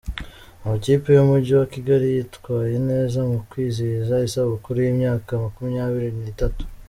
Amakipe y’Umujyi wa Kigali yitwaye neza mu kwizihiza isabukuru y’imyaka makumyabiri nitatu